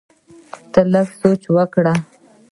ته لږ سوچ وکړه!